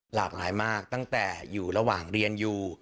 หลากหลายมากตั้งแต่อยู่ระหว่างเรียนอยู่